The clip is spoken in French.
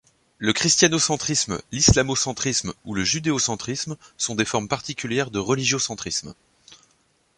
Le christianocentrisme, l’islamocentrisme ou le judéocentrisme sont des formes particulières de religiocentrisme.